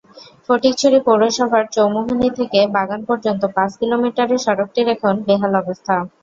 ফটিকছড়ি পৌরসভার চৌমুহনী থেকে বাগান পর্যন্ত পাঁচ কিলোমিটারের সড়কটির এখন বেহাল অবস্থা।